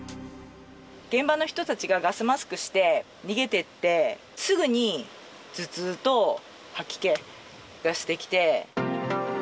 現場の人たちがガスマスクして逃げてって、すぐに頭痛と吐き気がしてきて。